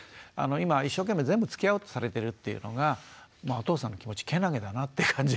今一生懸命全部つきあおうとされてるというのがお父さんの気持ちけなげだなって感じ